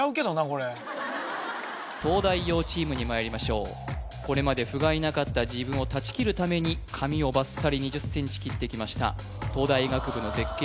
これ東大王チームにまいりましょうこれまでふがいなかった自分を断ち切るために髪をバッサリ２０ｃｍ切ってきました